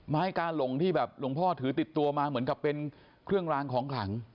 กาหลงที่แบบหลวงพ่อถือติดตัวมาเหมือนกับเป็นเครื่องรางของขลัง